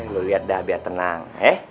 lu lihat dah biar tenang